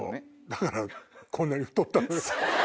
だからこんなに太ったのよ。